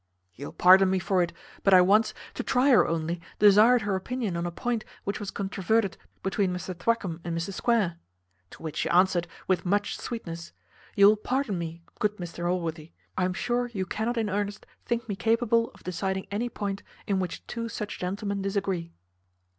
You'll pardon me for it, but I once, to try her only, desired her opinion on a point which was controverted between Mr Thwackum and Mr Square. To which she answered, with much sweetness, `You will pardon me, good Mr Allworthy; I am sure you cannot in earnest think me capable of deciding any point in which two such gentlemen disagree.'